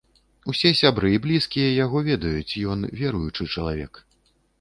Усе сябры і блізкія яго ведаюць, ён веруючы чалавек.